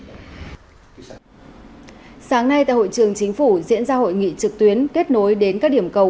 sáng nay tại hội trường chính phủ diễn ra hội nghị trực tuyến kết nối đến các điểm cầu